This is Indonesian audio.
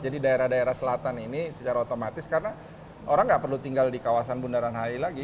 jadi daerah daerah selatan ini secara otomatis karena orang tidak perlu tinggal di kawasan bundaran hai lagi